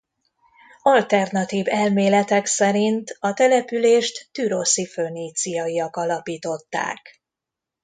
Alternatív elméletek szerint a települést türoszi föníciaiak alapították.